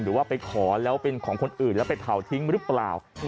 หรือว่าไปขอแล้วเป็นของคนอื่นแล้วไปเผาทิ้งหรือเปล่า